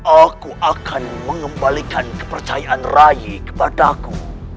aku akan mengembalikan kepercayaan rayi kepada aku